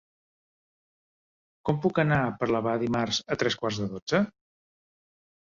Com puc anar a Parlavà dimarts a tres quarts de dotze?